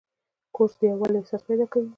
کورس د یووالي احساس پیدا کوي.